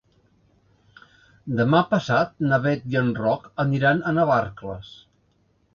Demà passat na Beth i en Roc aniran a Navarcles.